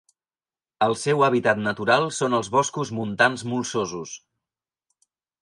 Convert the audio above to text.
El seu hàbitat natural són els boscos montans molsosos.